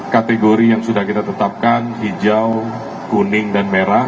kategori yang sudah kita tetapkan hijau kuning dan merah